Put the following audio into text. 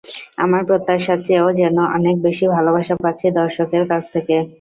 আমার প্রত্যাশার চেয়েও যেন অনেক বেশি ভালোবাসা পাচ্ছি দর্শকের কাছ থেকে।